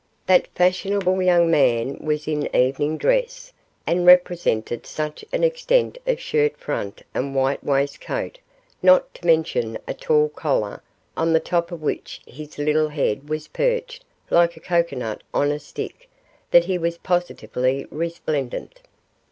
That fashionable young man was in evening dress, and represented such an extent of shirt front and white waistcoat, not to mention a tall collar, on the top of which his little head was perched like a cocoanut on a stick, that he was positively resplendent.